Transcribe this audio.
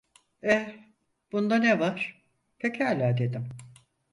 Eh, bunda ne var, pekala dedim.